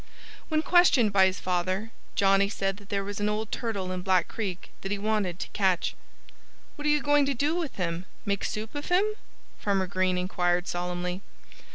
When questioned by his father, Johnnie said that there was an old turtle in Black Creek that he wanted to catch. "What are you going to do with him make soup of him?" Farmer Green inquired solemnly.